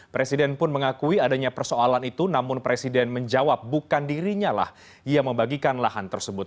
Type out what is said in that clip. presiden pun mengakui adanya persoalan itu namun presiden menjawab bukan dirinya lah yang membagikan lahan tersebut